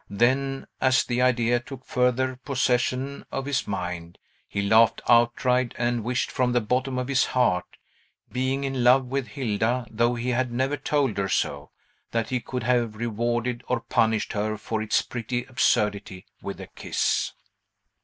Then, as the idea took further possession of his mind, he laughed outright, and wished from the bottom of his heart (being in love with Hilda, though he had never told her so) that he could have rewarded or punished her for its pretty absurdity with a kiss.